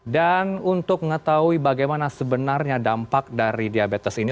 dan untuk mengetahui bagaimana sebenarnya dampak dari diabetes ini